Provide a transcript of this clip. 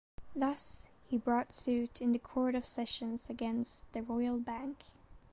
Thus he brought suit in the Court of Sessions against the Royal Bank.